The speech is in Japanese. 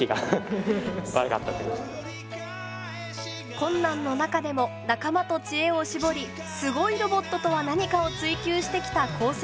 困難の中でも仲間と知恵を絞りすごいロボットとは何かを追求してきた高専生たち。